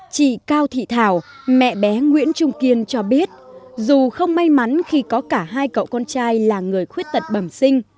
chị cao thị thảo mẹ bé nguyễn trung kiên cho biết dù không may mắn khi có cả hai cậu con trai là người khuyết tật bẩm sinh